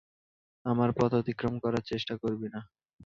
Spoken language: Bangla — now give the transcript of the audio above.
আমার পথ অতিক্রম করার চেষ্টাও করবি না।